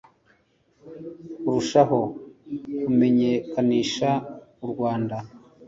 kurushaho kumenyekanisha u rwanda